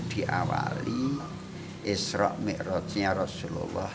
diawali isroq mikrochnya rasulullah